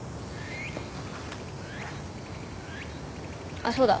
あっそうだ。